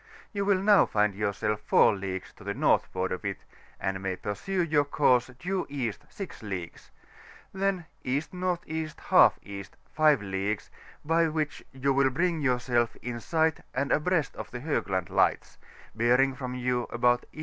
you wm now find yourself 4 leagues to the northward of it, and majr pursue your course due East 6 leagues; then E.N.E.iE. 5 leagues, by which you will bring yourself in si^ht and abreast of the Hoo^and Lights, bearing from you about E.